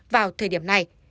vào thời điểm này